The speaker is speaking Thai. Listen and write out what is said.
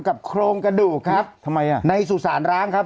โครงกระดูกครับทำไมอ่ะในสุสานร้างครับ